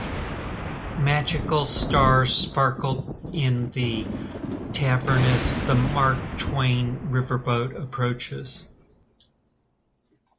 Magical stars sparkle in the tavern as the "Mark Twain" Riverboat approaches.